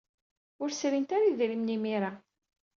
Ur srint ara idrimen imir-a.